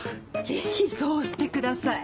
ぜひそうしてください。